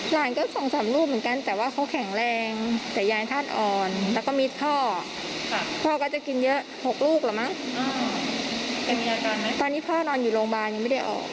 พ่อนอนอยู่โรงพยาบาลไม่ได้ออก